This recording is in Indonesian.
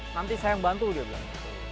nanti saya yang bantu dia bilang